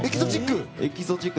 エキゾチック！